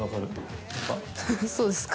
フフそうですか？